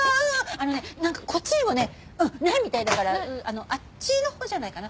あのねなんかこっちにもねないみたいだからあっちのほうじゃないかな？